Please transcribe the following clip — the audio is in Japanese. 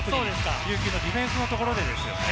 琉球のディフェンスのところでですよね。